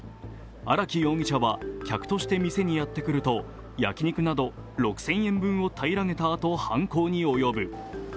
荒木容疑者は客として店にやってくると焼き肉など６０００円分を平らげたあと犯行に及ぶ。